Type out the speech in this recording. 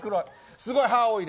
すごい歯多いで。